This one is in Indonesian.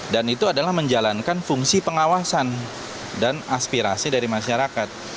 dan itu adalah menjalankan fungsi pengawasan dan aspirasi dari masyarakat